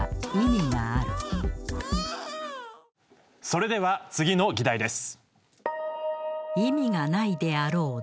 それでは次の議題です。